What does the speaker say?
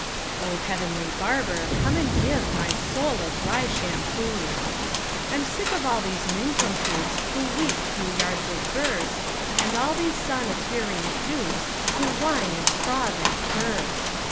O Heavenly Barber, come and give My soul a dry shampoo! I'm sick of all these nincompoops, Who weep through yards of verse, And all these sonneteering dupes Who whine and froth and curse.